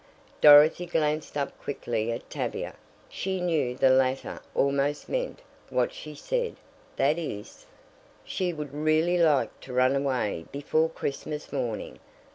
Dorothy glanced up quickly at Tavia. She knew the latter almost meant what she said that is, she would really like to run away before Christmas morning.